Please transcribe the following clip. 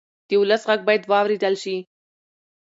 د ولس غږ باید واورېدل شي